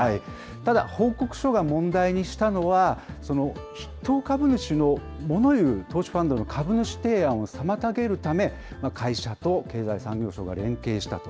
ただ、報告書が問題にしたのは、筆頭株主のもの言う投資ファンドの株主提案を妨げるため、会社と経済産業省が連携したと。